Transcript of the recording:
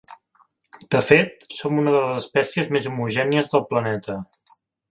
De fet, som una de les espècies més homogènies del planeta.